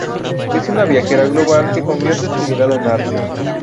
Es una viajera global que convierte su mirada en arte.